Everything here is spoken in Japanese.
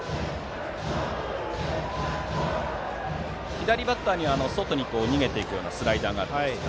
左バッターには外に逃げていくようなスライダーがあるんですが。